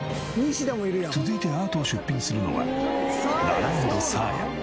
続いてアートを出品するのはラランドサーヤ。